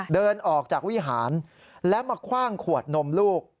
เดินออกจากวิหารแล้วมาคว่างขวดนมลูก